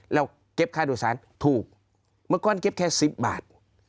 เราเก็บค่าโดยสารถูกเมื่อก่อนเก็บแค่๑๐บาท